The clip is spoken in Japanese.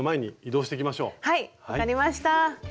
はい分かりました。